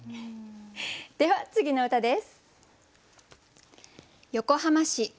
では次の歌です。